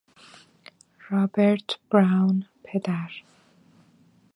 رابرت براون، پدر